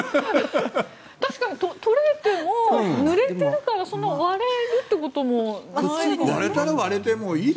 確かにとれーてもぬれているから割れるってこともない。